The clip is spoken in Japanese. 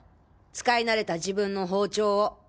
使い慣れた自分の包丁を。